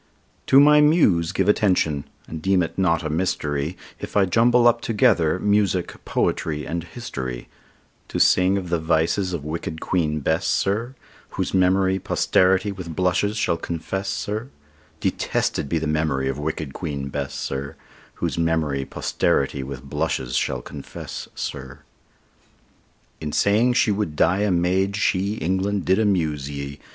To my Muse give attention, and deem it not a mystery If I jumble up together music, poetry, and history, To sing of the vices of wicked Queen Bess, sir, Whose memory posterity with blushes shall confess, sir, Detested be the memory of wicked Queen Bess, sir, Whose memory posterity with blushes shall confess, sir. In saying she would die a maid, she, England! did amuse ye.